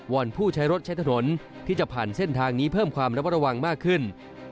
อนผู้ใช้รถใช้ถนนที่จะผ่านเส้นทางนี้เพิ่มความระมัดระวังมากขึ้น